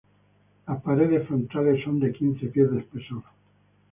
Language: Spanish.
Las paredes frontales son de quince pies de espesor.